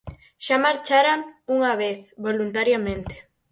Xa marcharan unha vez voluntariamente.